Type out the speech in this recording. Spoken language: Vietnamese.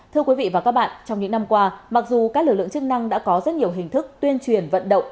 thưa quý vị và các bạn trong những năm qua mặc dù các lực lượng chức năng đã có rất nhiều hình thức tuyên truyền vận động